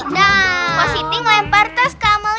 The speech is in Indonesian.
nah positi ngelempar tas ke amalia